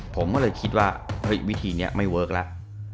ผมก็เลยคิดว่าวิธีนี้ไม่เวิร์คแล้ว